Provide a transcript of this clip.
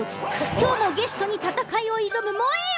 今日もゲストに闘いを挑む燃えよ！